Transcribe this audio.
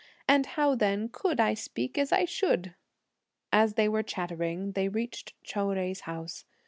and how then could I speak as I should?" As they were chatting, they reached Chou Jui's house.